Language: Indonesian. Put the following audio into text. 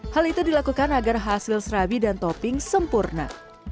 hal itu dilakukan agar hasil serabi dan topping sempurna